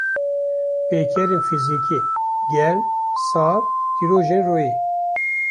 Pêkerên fizikî: Germ, sar, tirêjin royê